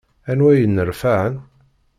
Anwa i yenneṛfaɛen?